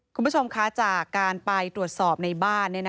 คุณผู้ชมคะจากการไปตรวจสอบในบ้าน